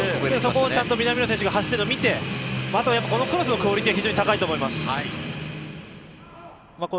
そこを南野選手が走ってるのを見て、このクロスのクオリティーも非常に高いと思います。